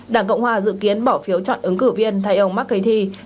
đảng cộng hòa dự kiến bỏ phiếu chọn ứng cử viên thay ông mccarthy